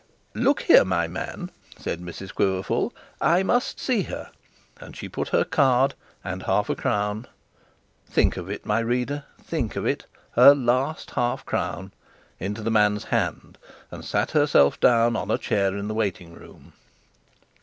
'Look here, man,' said Mrs Quiverful; 'I must see her;' and she put her card and half crown think of it, my reader, think of it; her last half crown into the man's hand, and sat herself down on a chair in the waiting room.